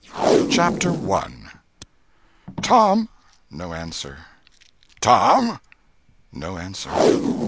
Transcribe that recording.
CHAPTER I "TOM!" No answer. "TOM!" No answer.